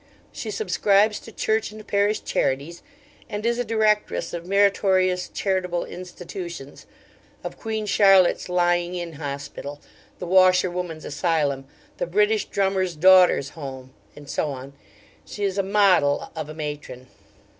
She subscribes to Church and parish charities; and is a directress of meritorious charitable institutions of Queen Charlotte's Lying in Hospital, the Washerwomen's Asylum, the British Drummers' Daughters' Home, &c.. She is a model of a matron.